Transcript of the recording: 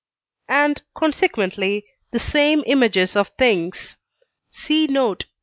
and, consequently, the same images of things (see note II.